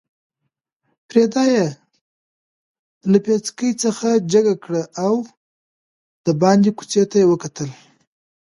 پرده یې له پیڅکې څخه جګه کړه او د باندې کوڅې ته یې وکتل.